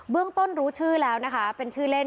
ต้นรู้ชื่อแล้วนะคะเป็นชื่อเล่น